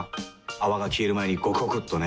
泡が消える前にゴクゴクっとね。